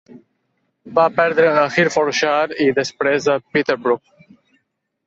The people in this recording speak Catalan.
Va perdre a Herefordshire i després a Peterborough.